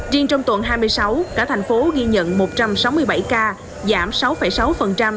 riêng trong tuần hai mươi sáu cả thành phố ghi nhận một trăm sáu mươi bảy ca giảm sáu sáu